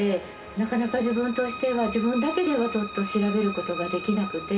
なかなか自分としては自分だけではちょっと調べる事ができなくて。